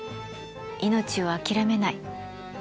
命を諦めない。